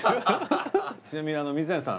ちなみに水谷さん